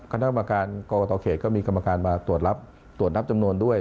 คณะกรรมการกรกตเขตก็มีกรรมการมาตรวจรับตรวจนับจำนวนด้วย